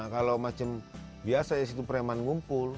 kalau macam biasa ya situ preman ngumpul